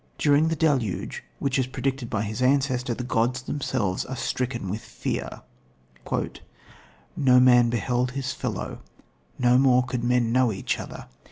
During the deluge, which is predicted by his ancestor, the gods themselves are stricken with fear: "No man beheld his fellow, no more could men know each other.